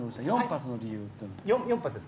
４発の理由っていうのは？